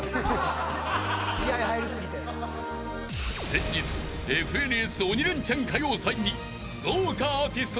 ［先日ＦＮＳ鬼レンチャン歌謡祭に豪華アーティストの出演が発表されたが］